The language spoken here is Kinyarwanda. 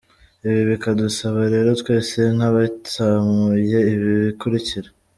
Ibi bikadusaba rero twese nk’abitsamuye ibi bikurikira: